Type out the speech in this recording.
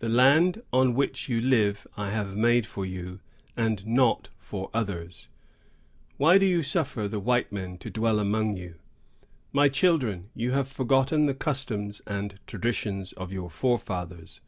The land on which you live I have made for you, and not for others. Why do you suffer the white men to dwell among you? My children, you have forgotten the customs and traditions of your forefathers.